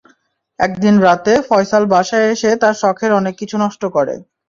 একদিন রাতে ফয়সাল বাসায় এসে তার শখের অনেক কিছু নষ্ট করে।